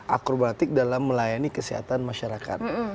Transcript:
akrobatik dalam melayani kesehatan masyarakat